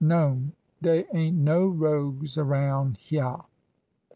No'ml Dey ain't no rogues aroun' hyeah."